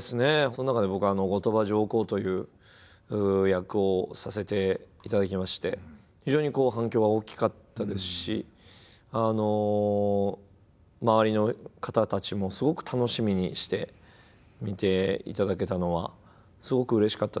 その中で僕は後鳥羽上皇という役をさせていただきまして非常に反響が大きかったですし周りの方たちもすごく楽しみにして見ていただけたのはすごくうれしかったですね。